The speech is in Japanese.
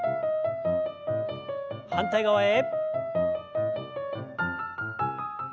反対側へ。